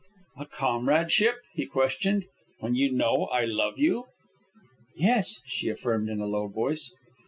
"A comradeship?" he questioned. "When you know I love you?" "Yes," she affirmed in a low voice.